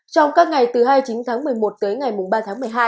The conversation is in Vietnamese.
trong các ngày từ hai mươi chín tháng một mươi một tới ngày ba tháng một mươi hai